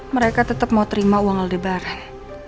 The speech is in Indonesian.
mereka tetap mau terima uang aldebarnya